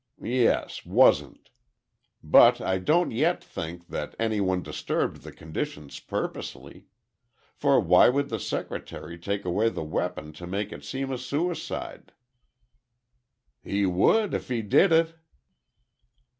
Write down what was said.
"Yes, wasn't. But I don't yet think that any one disturbed the conditions purposely. For why would the secretary take away the weapon to make it seem a suicide—" "He would if he did it."